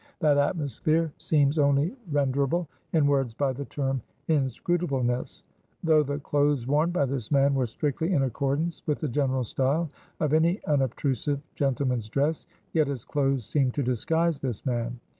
That atmosphere seems only renderable in words by the term Inscrutableness. Though the clothes worn by this man were strictly in accordance with the general style of any unobtrusive gentleman's dress, yet his clothes seemed to disguise this man.